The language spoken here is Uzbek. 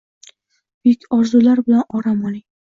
Buyuk orzular bilan orom oling.